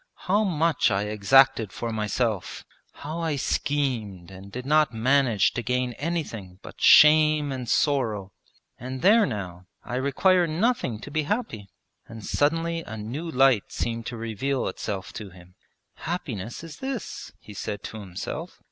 'How much I exacted for myself; how I schemed and did not manage to gain anything but shame and sorrow! and, there now, I require nothing to be happy;' and suddenly a new light seemed to reveal itself to him. 'Happiness is this!' he said to himself.